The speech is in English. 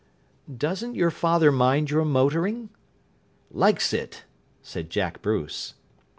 "Doesn't your father mind your motoring?" "Likes it," said Jack Bruce.